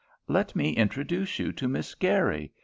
"Let me introduce you to Miss Geary.